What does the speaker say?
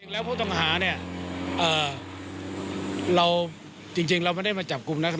แล้วผู้ต้องหาเนี่ยเราจริงเราไม่ได้มาจับกลุ่มนะครับ